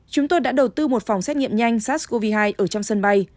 chúng tôi đã đầu tư một phòng xét nghiệm nhanh sars cov hai ở trong sân bay